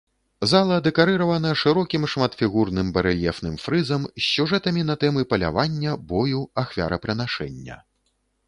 Зала дэкарыравана шырокім шматфігурным барэльефным фрызам з сюжэтамі на тэмы палявання, бою, ахвярапрынашэння.